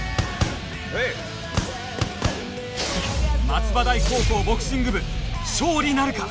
松葉台高校ボクシング部勝利なるか？